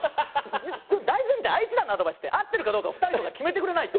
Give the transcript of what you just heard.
大前提あいつらのアドバイスって合ってるかどうか２人とか決めてくれないと。